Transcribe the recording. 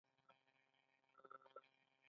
د درونټې بند د کوم ولایت ځمکې خړوبوي؟